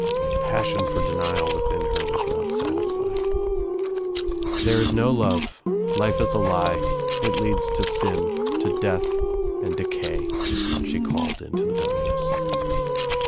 The passion for denial within her was not satisfied. "There is no love. Life is a lie. It leads to sin, to death and decay," she called into the dar^t ness.